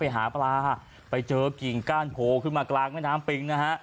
หาปลาไปเจอกิ่งก้านโผล่ขึ้นมากลางแม่น้ำปิงนะฮะ